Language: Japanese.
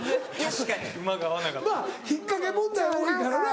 ・確かに・まぁ引っかけ問題多いからな。